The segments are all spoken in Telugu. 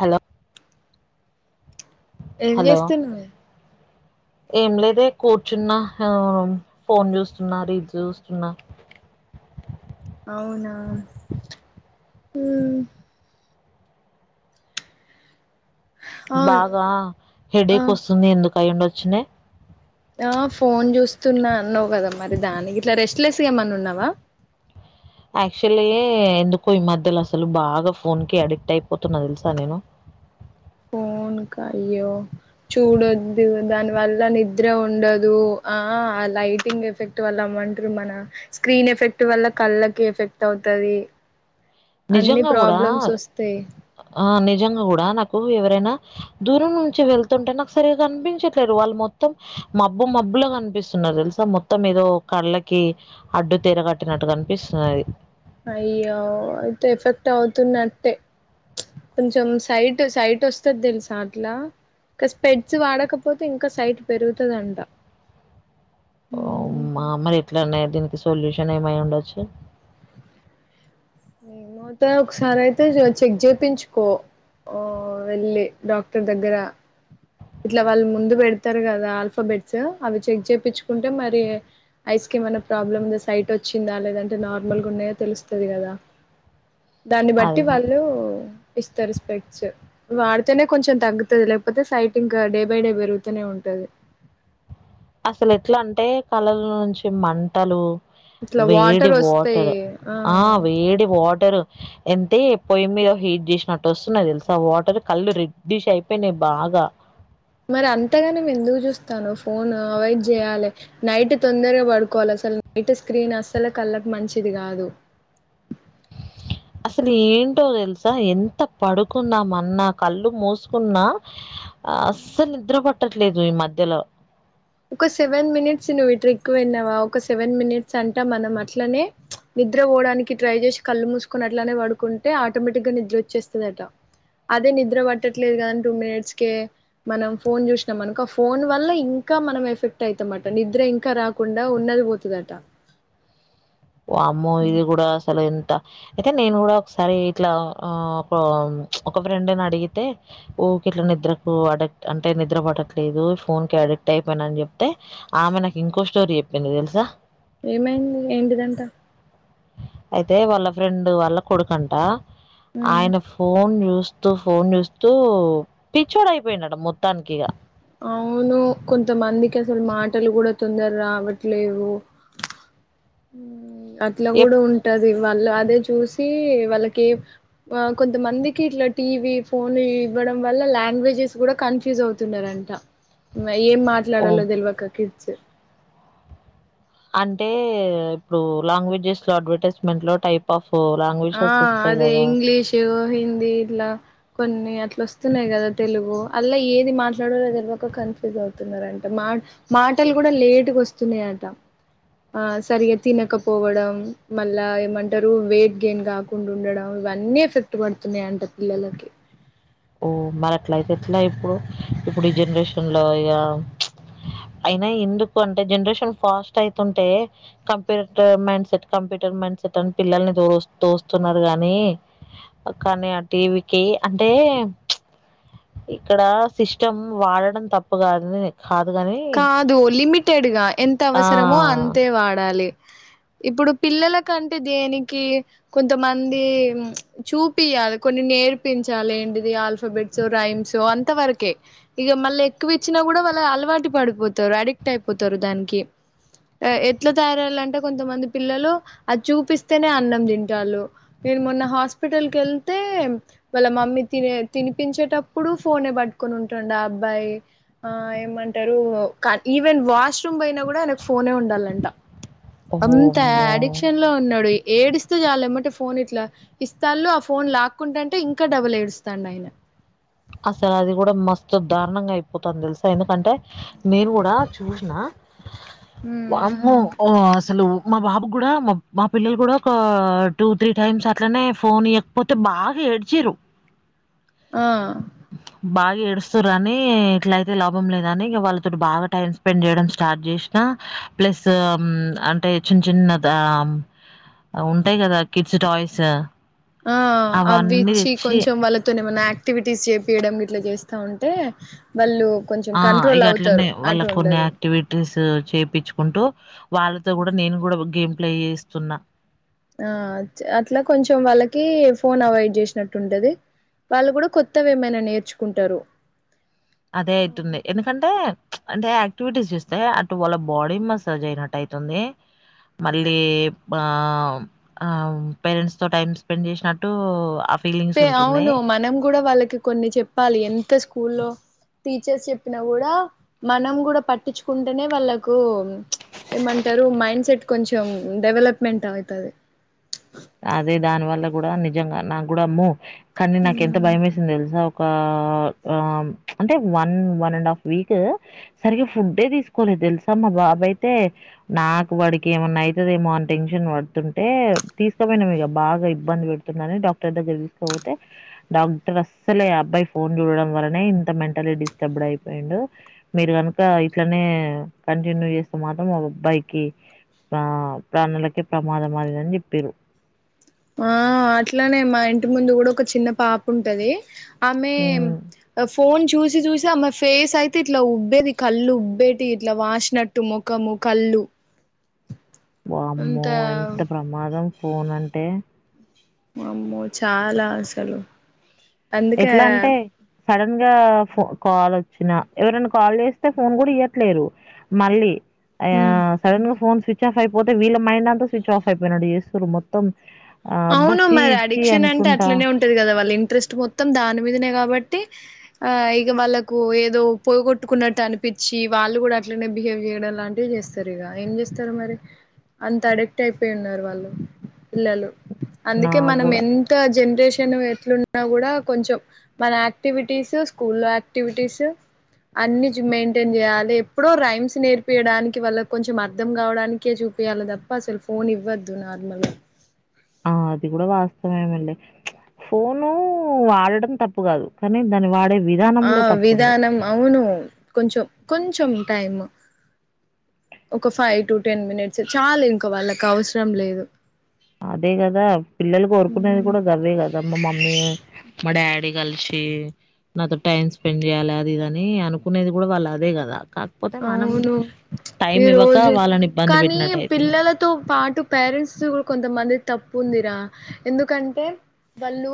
హలో ఏం హలో చేస్తున్నావ్ ఏం లేదే కూర్చున్నా ఆ ఫోన్ చూస్తున్నా రీల్స్ చూస్తున్నా అవునా ప్చ్ ఉ అవును బాగా ఆ హెడేక్ వస్తుంది ఎందుకు అయిండొచ్చు నే ఆ ఫోన్ చూస్తున్నా అన్నావు కదా మరి దానికి ఇట్లా రెస్ట్ లెస్గా ఏమన్నా ఉన్నావా యాక్చుల్లి ఎందుకో ఈ మధ్యలో అసలు బాగా ఫోన్ కి అడెక్ట్ అయిపోతున్నా తెలుసా నేను ఇంకా అయ్యో చూడొద్దు దాని వల్ల నిద్ర ఉండదు ఆ లైటింగ్ ఎఫెక్ట్ వల్ల ఏమంటరు మన స్క్రీన్ ఎఫెక్ట్ వల్ల కళ్ళకి ఎఫెక్ట్ అవుతది అన్ని నిజంగా కూడా ప్రాబ్లమ్స్ వస్తాయి ఆ నిజంగా కూడా నాకు ఎవ రైనా దూరం నుంచి వెళ్తుంటే నాకు సరిగా కనిపించట్లేదు వాళ్ళు మొత్తం మబ్బు మబ్బులా కనిపిస్తున్నది తెలుసా మొత్తం ఏదో కళ్ళకి అడ్డు తెర కట్టినట్టు కనిపిస్తున్నది అయ్యో అయితే ఎఫెక్ట్ అవుతున్నట్టే కొంచెం సైట్ సైట్ వస్తది తెలుసా అట్లా ఇంకా స్పెడ్స్ వాడకపోతే ఇంకా సైట్ పెరుగుతదంట ఓ మా అమ్మాయి ఎట్లాన్నా దీనికి సొల్యూషన్ ఏమై ఉండొచ్చు ఏమో అయితే ఒకసారి అయితే చెక్ చేపించుకో ఓ వెళ్ళి డాక్టర్ దగ్గర ఇట్లా వాళ్ళు ముందు పెడుతరు కదా ఆల్ఫాబెట్స్ అవి చెక్ చేపిచ్చుకుంటే మరి ఐస్ కెమాన్న ప్రాబ్లమ్ ఉందా సైట్ వచ్చిందా లేదంటే నార్మల్ గా ఉన్నాయా తెలుస్తది కదా దాన్ని బట్టి అది వాళ్ళు ఇస్తారు స్పెడ్స్ వాడితేనే కొంచెం తగ్గుతది లేకపోతే సైట్ ఇంకా డే బై డే పెరుగుతూనే ఉంటది ఉమ్ అసలు ఎట్లా అంటే కళ్ళ లో నుంచి మంటలు ఇట్లా వేడి వాటర్ వస్తాయి వాటర్ ఆ వేడి వాటరు ఎంటే పోయ్యి మీద హీట్ చేసినట్టు వస్తున్న ది తెలుసా వాటర్ కళ్ళు రెడ్డిష్ అయిపోయినయ్ బా గా మరి అంతగానము ఎందుకు చూస్తాన్నవు ఫోన్ అవాయిడ్ చేయ్యాలి నైట్ తొందరగా పడుకోవాలి అసలు నైట్ స్క్రీన్ అసలు కళ్ళకు మంచిది కాదు అసలు ఏంటో తెలుసా ఎంత పడుకున్నా మన్న కళ్ళు మూసుకున్నా అస్సలు నిద్ర పట్టట్లేదు ఈ మధ్యలో ఒక సెవెన్ మినిట్స్ నువ్వు ఇ ట్రిక్కు విన్నావా ఒక సెవెన్ మినిట్స్ అంటా మనం అట్లనే ప్చ్ నిద్ర పోవడానికి ట్రై చేసి కళ్ళు మూసుకున్నట్లనే పడుకుంటే ఆటోమేటిక్ గా నిద్ర వచ్చేస్తదట అదే నిద్ర పట్టట్లేదు కదని టూ మినిట్స్ కే మనం ఫోన్ చూసినాం అనుకో ఫోన్ వల్ల ఇంకా మనం ఎఫెక్ట్ అయితమాట నిద్ర ఇంకా రాకుండా ఉన్నది పోతదట వామ్మో ఇది కూడా అసలు ఎంత అయితే నేను కూడా ఒకసారి ఇట్లా ఒక ప్చ్ ఒక ఫ్రెండ్ అడిగితే ఊకే ఇట్ల నిద్రకు అడక్ట్ అంటే నిద్ర పట్టట్లేదు ఫోన్కి అడక్ట్ అయిపోయినా చెపితే ఆమె నాకు ఇంకొ స్టోరీ చెప్పింది తెల్సా ఏమైంది ఏంటిదంట అయితే వాళ్ళ ఫ్రెండ్ వాళ్ళ కొడుకంట ఆయన ఫోన్ యూస్ చస్తూ ఫోన్ చూస్తూ పిచ్చోడ అయిపోయిన్నాడు మొత్తానికి ఇగ అవును కొంతమందికి అసలు మాటలు కూడా తొందర రావట్లేవు అట్లా కూడా ఎప్- ఉంటది వాళ్ళు అదే చూసి వాళ్ళకి కొంతమందికి ఇట్లా టీవీ ఫోన్ వడం వల్ల లాంగ్వేజెస్ కూడా కన్ఫ్యూజ్ అవుతున్నారండి ఏం ఓ, మాట్లాడాలో తెలివక కిడ్స్ అంటే ఇప్పుడు లాంగ్వేజెస్ లో అడ్వర్టైజ్మెంట్ లో టైప్ ఆఫ్ ఆ లాంగ్వేజెస్ వస్తాయి అదే కదా ఇంగ్లీషు హిందీ ఇట్లా కొన్ని అట్లా వస్తున్నాయి కదా తెలుగు అలా ఏది మాట్లాడలేద ఒక క ఫజ్ అవుతున్నారంట మా మాటలు కూడా లేటుగా వస్తున్నాయట ఆ సరిగా తినకపోవడం మళ్ళా ఏమంటారు వే గేన్ కాకుండా ఉండడం ఇవన్నీ ఎఫెక్ట్ పడుతున్నాయంట పిల్లలకి ఓ మరి అట్లయితే ఎట్లా ఇప్పుడు ఇప్పుడు ఈ జనరేషన్ లో ఇక అయినా ఎందుకు అంటే జనరేషన్ ఫాస్ట్ అయివుతుంటే computer mind set compute mind set అని పిల్లల్ని తో తోస్తున్నారు గాని కానీ టీ వికి అంటే ఇక్కడ సిస్టమ్ వాడడం తప్పు కాదు గానీ కాదు లిమిటెడ్ గా ఎంత ఆ! అవసరమో అంతే వాడాలి ఇప్పుడు పిల్లలకంటే దేనికి కొంతమంది చూపియాలి కొన్ని నేర్పించాల ఏంటిది ఆల్ఫాబెట్స్ రైమ్ అంత వరకే ఇ మళ్ళ ఎక్కువ ఇచ్చిన కూడా అలవాటు పడిపోతారు అడిక్ట్ అయిపోతారు దానికి ఎట్లా తయారయాలింటే కొంతమంది పిల్లలు అది చూపిస్తేనే అన్నం తింటారు నేను మొన్న హాస్పిటల్ కి వెళ్తే వాళ్ళ మమ్మీ త తినిపించేటప్పుడు ఫోన్ పట్టుకు ఉంటం అబ్బాయి ఆ ఏమంటారు ఈవెన్ వాష్రూమ్ పయినా కూడా ఫోనే ఉండాలంట అంత ఓమ్మో! అడిక్షన్ లో ఉన్నాడు ఏడిస్తే చాల ఏమంటే ఫోన్ ఇట్లా ఇస్తాళ్ళు ఆ ఫోన్ లాక్కుంటంటే ఇంకా డబల్ ఏడుస్తాండి ఆయన అసలు అది కూడా మస్తు దారుణంగా అయిపోతుంది తెలుసా ఎందుకంటే నేను కూడా చూసిన హ్మ్ వామ్మో అసలు మా బాబు కూడా మా పిల్లలు కూడా ఒక టూ త్రీ టైమ్స్ అట్లనే ఫోన్ ఇయ్వకపోతే బాగా ఏడ్చీరు ఆ బాగా ఏడుస్తారని ఇట్ల అయితే లాభం లేదని ఇక వాళ్ళతో బాగా టైమ్ స్పెండ్ చేయడం స్టార్ట్ చేసినా ప్లస్ అంటే చిన్న చిన్న ఉంటాయి కదా కిడ్స్ టాయ్స్ ఆ అవి అవన్నీ ఇచ్చి దెచ్చి కొంచెం వళతోనేమోనా యాక్టివిటీస్ చేపియడం ఇట్లా చేస్తా ఉంటే వాళ్ళు కొంచెం ఆ కంట్రోల్ ఇక అవుతారు అట్లనే వాళ్ళ అటు కొన్ని ఉండదు యాక్టివిటీస్ చేయిచ్చు కుంటూ వాళ్ళతో కూడా నేను కూడా గేమ్ ప్లే చేస్తున్నా ఆ అట్లా కొంచెం వాళ్ళకి ఫోన్ అవాయిడ్ చేసినట్టు ఉంటది వాళ్ళు కూడా కొత్తవి ఏమైనా నేర్చుకుంటారు అదేయిటింది ఎందుకంటే అంటే యాక్టివిటీస్ చేస్తే అటు వాళ్ళ బాడీ మసాజ్ అయినట్టు అయితుంది మళ్ళీ పేరెంట్స్ తో టైం స్పెండ్ చేసినట్టు పే ఫీలింగ్స్ ఉంటున్నాయి. అవును మనం కూడా వాళ్ళకి కొన్ని చెప్పాలి ఎంత స్కూల్లో టీచర్స్ చెప్పిన కూడా మనం కూడా పట్టించుకుంటేనే వాళ్ళకు ఏమంటారు మైండ్ సెట్ కొంచెం డెవలప్మెంట్ అవుతుది అదే దాని వల్ల కూడా నిజంగా నాకు కూడా అమ్మో కానీ నాకెంత భయం వేసింది తెలుసా ఒకా ఆ అంటే one one and half week సరిగా ఫుడ్ఎ తీసుకోవలే తెలుసా మా బాబ్ బాబ్ అయితే నాకు వాడికి ఏమన్నా అయితాద్ ఏమో అని టెన్షన్ పడుతుంటే తీసుకోపోయినాము ఇక బాగా ఇబ్బంది పెడుతుందని డాక్టర్ దగ్గర తీసుకోపోతే డాక్టర్ అస్సలే అబ్బాయ్ ఫోన్ చూడడం వల్లనే ఇంత మెంటలీ డిస్టర్బ్డ్ అయిపోయిండు మీరు కనుక ఇట్లనే కంటిన్యూ చేస్తే మాత్రం అబ్బాయికి ఆ ప్రాణలకే ప్రమాదం అదని చెప్ పీరు ఆ అట్లానే మా ఇంటి ముందు కూడా ఒక చిన్న పాప ఉంటది ఆమె హ్మ్. ఆ ఫోన్ చూస్త్ చూసి చూసి ఆ మా ఫేస్ అయితే ఇట్లా ఉబ్బేది కళ్ళు ఉబ్బేటి ఇట్లా వాసినట్టు ముఖము కళ్ళు అ వామ్మో ఎంత ప్రమాదం ఫోన్ అంటే వామ్మో చాలా అసలు అందుకే సడన్ గా ఫో కాల్ వచ్చినా ఎవరైనా కాల్ చేస్తే ఫోన్ కూడా ఇయట్లేరు మళ్ళీ ఆయా ఉమ్ సడన్ గా ఫోన్ స్విచ్ ఆఫ్ అయిపోతే వీళ్ళ మైండ్ అంతా స్విచ్ ఆఫ్ అయిపోయినట్టు చేస్తూరు మొత్తం ఆహ్, అబ్బా! అవును ఛీ! మరి ఛీ! అడిక్షన్ అంటే అనుకుంటా అట్లనే ఉంటుది కదా వాళ్ళ ఇంట్రెస్ట్ మొత్తం మొత్తం దాని మీదనే కాబట్టి ఆ ఇక వాళ్ళకు ఏదో పోగొట్టుకున్నట్టు అనిపించి వాల్ వాళ్ళు కూడా అట్లనే బిహేవ్ చేయడం లాంటివి చేస్తారు ఇక ఏం చేస్తారు మరి అంత అడిక్ట్ అయిపోయి ఉన్నారు వాళ్ళు పిల్లలు అందుకే నాకు మనం గూడా. ఎంత జంన్ రేషన్ ఎట్లున్నా కూడా కొంచెం మన యాక్టివిటీస్ స్కూలో యాక్టివిటీస్ అన్ని మెయింటైన్ చేయాలి ఎప్పుడో రైమ్స్ నేర్పియడానికి వాళ్ల కొంచెం అర్థం కావడానికే చూప్ ఇయాలీ తప్ప అసలు ఫోన్ ఇవ్వద్దు నార్మల్ గా ఆ! అది కూడా వాస్తవమే అండి ఫోను వాడడం తప్పు కాదు కానీ దాన్ని వాడే ఆ విధానంలో తప్పుంది. విధానం అవును కొంచం కొంచం టైమ్ ఒక ఫైవ్ టు టెన్ మినిట్స్ చాలు ఇంకా వాళ్ళకి అవసరం లేదు అదే కదా పిల్లలు కోరుకునేది కూడా గవే కదా మా మమ్మీ మా డాడీ కలిసి నాతో టైమ్ స్పెండ్ చేయాలి అది ఇది అని అనుకునేది కూడా వాళ్ళ అదే కదా కాకపోతే మనం అవును టైం ఈ ఇవ్వక రోజు వాళ్ళని ఇబ్బంది కానీ పెట్టినట్టు అయితుంది పిల్లలతో పాటు పేర్ పేరెంట్స్ కూడా కొంతమంది తప్పు ఉందిరా ఎందుకంటే వాళ్ళు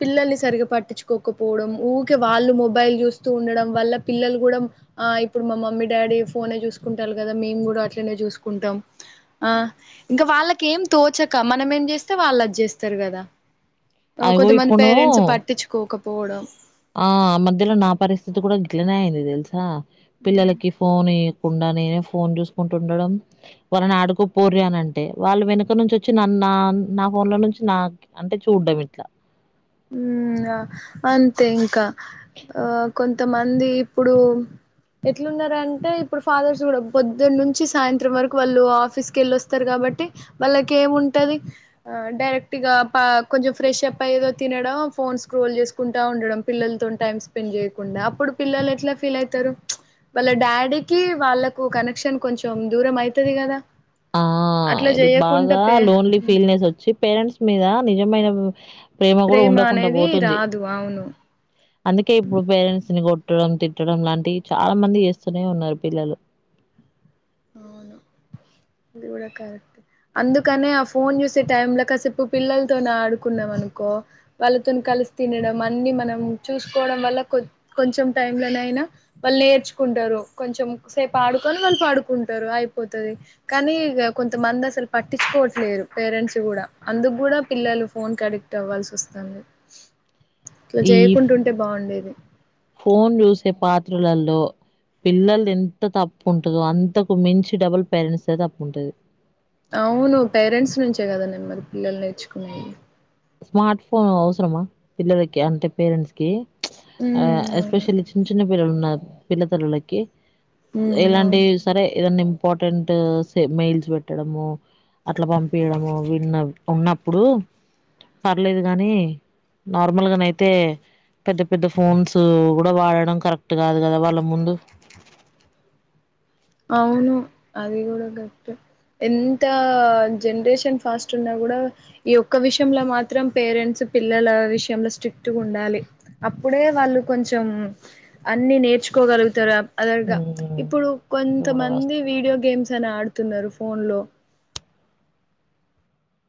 పిల్లల్ని సరిగ్గా పట్టించుకోకపోవడం ఊరికే వాళ్ళు మొబైల్ చూస్తూ ఉండడం వల్ల వాళ్ళ పిల్లలు కూడా ఆ ఇప్ ఇప్పుడు మా మమ్మీ డాడీ ఫోనే చూసుకుంటారు కదా మేము కూడా అట్లనే చూసుకుంటాం ఆ ఇంకా వాళ్ళకేం తోచక మనం ఏమి చేస్తే వాళ్ళు అది చేస్తారు కదా ఆ అగో కొంతమంది ఇప్పుడు పేరెంట్స్ పట్టించుకోకపోవడం ఆ ఆ మధ్యలో నా పరిస్థితి కూడా గిట్లనే అయింది తెలుసా పిల్లలకి ఫోన్ ఈ కుండా నేనే ఫోన్ చూసుకుంటూ ఉండడం వాళ్ళని ఆడుకోపోడ్రీ అని అంటే వాళ్ళు వెనుక నుంచి వచ్చి నన్ నా నా ఫోన్ లో నుంచి నా అంటే చూడ్డం ఇట్లా ఉమ్ ఆ అంతే ఇంకా ఆ కొంతమంది ఇప్పుడు ఎట్లున్న రంటే ఇప్పుడు ఫాదర్స్ కూడా పొద్దున్న నుంచి సాయంత్రం వరకు వాళ్ళు ఆఫీస్ క వెళ్ళి వస్తారు కాబట్టి కాబట్టి వాళ్ళకి ఏమింటది ఆ డైరెక్ట్గా పా కొంచెం ఫ్రెష్ అప్ అయ్యదో తినడం ఫోన్ స్క్రోల్ చేసుకుంటా ఉండడం పిల్లలతోని టైమ్ స్పెండ్ చేయకుండా అప్పుడు పిల్లలు ఎట్లా ఫీల్ అయితర్ తారు ఉచ్ వాళ్ళ డాడీకి వాళ్ళకు కనెక్షన్ కొంచెం దూరం అయితది కదా ఆ అట్లా చేయకుండా బాగా పే లోన్లీ ఫీల్ నెస్ వచ్చి పేరెంట్స్ మీద నిజమైనవ్ ప్రేమ కూడా ఉండకుండా అనేది పోతుంది రాదు అవును అందుకే ఇప్పుడు పేరెంట్స్ ని కొట్ కోట్టడం తిట్టడం లాంటివి చాలా మంది చేస్తూనే ఉన్నారు పిల్లలు అవును ఇది కూడా కరెక్ట్ అందుకనే ఆ ఫోన్ చూసే టైమ్ లో కాసేపు పిల్లలతోనే ఆడుకున్నాం అనుకో ఓ వాళ్ళతోని కలిసి తినడం అన్ని మనం చూసుకోవడం వల్ల కొం కొంచెం టైమ్లో నైనా వాళ్ళు నేర్చుకుంటారు కొంచెం సేపు ఆడుకొని వాళ్ళు పడు కుంటారు అయిపోతది కానీ ఇగ కొంతమంది అసలు పట్టించుకోవట్లేరు పేరెంట్స్ కూడా అంద ఇప్పటిక్కూడా పిల్లలు ఫోన్ కడిక్ట్ అవ్వాల్సి వస్తాంది. ఈ ఫోన్ చూసే పాత్రలల్లో పిల్లల్ది ఎంత తప్పుంటదో అంతకు మించి డబుల్ పేరెంట్స్దే తప్పుంటది. అవును పేరెంట్స్ నుంచే కదండి మరి పిల్లలు నేర్చుకునేది స్మార్ట్ ఫోన్ అవసరమా పిల్లలకి అంటే పేరెంట్స్ కి ఆ ఉమ్ అవును ఎస్పెషల్లీ చిన్న చిన్న పిల్లలు ఉన్నారు పిల్లతల్లులకి ఉమ్ అవును ఎలాంటివి సరే ఏదన్న ఇంపార్టెంట్సే మెయిల్స్ పెట్టడము. అట్ల పంపియడము విన్న ఉన్నప్పుడు పర్లేదు గాని నార్మల్గానైతే పెద్ద పెద్ద ఫోన్స్ కూడా వాడడం కరెక్ట్ కాదు కదా వాళ్ళ ముందు అవును అది గూడ గట్ ఎంత జనరేషన్ ఫాస్ట్ ఉన్నా కూడా ఈ ఒక్క విషయంలో మాత్రం పేరెంట్స్ పిల్లల విషయంలో స్ట్రిక్ట్ గుండాలి అప్పుడే వాళ్ళు కొంచెం అన్ని నేర్ చ్చుకోగలుగుతారు. అదేగా ఉమ్ ఇప్పుడు ఇది కూడా కొంతమంది వాస్తవమే వీడియో గేమ్స్ అని ఆడుతున్నారు ఫోన్లో